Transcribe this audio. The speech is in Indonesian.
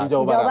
di jawa barat